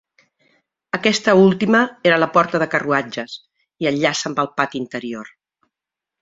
Aquesta última era la porta de carruatges i enllaça amb el pati interior.